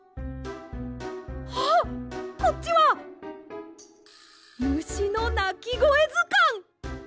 あっこっちは「むしのなきごえずかん」！